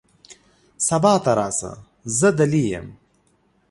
سبا ته راشه ، زه دلې یم .